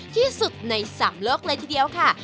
ที่สุดในสามโลกเลยทีเดียวค่ะ